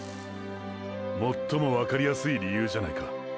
最もわかりやすい理由じゃないか。